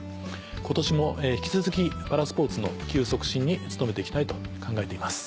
今年も引き続きパラスポーツの普及促進に努めていきたいと考えています。